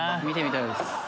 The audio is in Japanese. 見てみたいです。